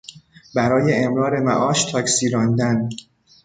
برای امرار معاش تاکسی راندن